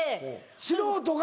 素人が。